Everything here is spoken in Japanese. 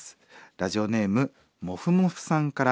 ラジオネームモフモフさんから。